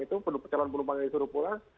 itu calon penumpangnya disuruh pulang